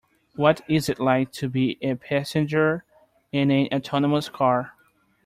What is it like to be a passenger in an autonomous car?